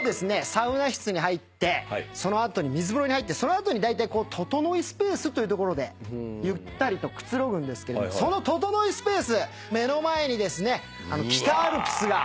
サウナ室に入ってその後に水風呂に入ってその後にだいたいととのいスペースという所でゆったりとくつろぐんですけれどそのととのいスペース目の前にですね北アルプスが。